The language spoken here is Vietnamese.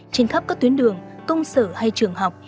trên khắp các tuyến đường công sở hay trường học